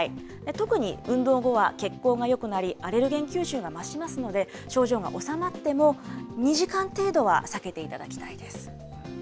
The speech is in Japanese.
特に運動後は、血行がよくなり、アレルゲン吸収が増しますので、症状が治まっても、２時間程度は避けていただきたいです。